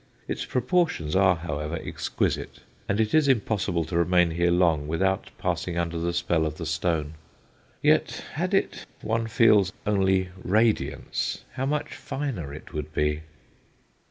Its proportions are, however, exquisite, and it is impossible to remain here long without passing under the spell of the stone. Yet had it, one feels, only radiance, how much finer it would be.